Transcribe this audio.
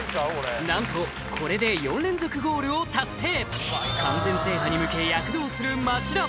何とこれで４連続ゴールを達成完全制覇に向け躍動する町田